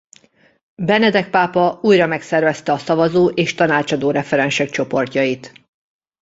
Benedek pápa újra megszervezte a szavazó és tanácsadó referensek csoportjait.